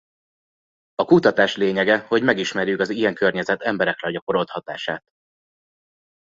A kutatás lényege hogy megismerjük az ilyen környezet emberekre gyakorolt hatását.